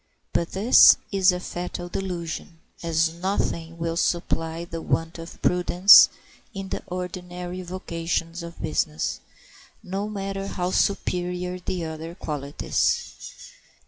But this is a fatal delusion, as nothing will supply the want of prudence in the ordinary vocations of business, no matter how superior the other qualities.